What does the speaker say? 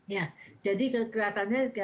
ya jadi kelihatannya orang mikir oh kayak flu biasa ya